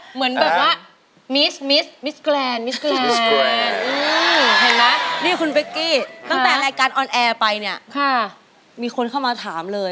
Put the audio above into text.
เหมือนแบบว่านี่คุณเฟคกี้ปันตั้งแต่รายการออนแอร์ไปเนี่ยมีคนเข้ามาถามเลย